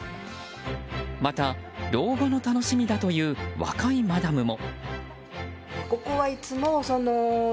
また、老後の楽しみだという若いマダムも。